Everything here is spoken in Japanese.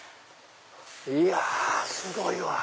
いやすごいわ。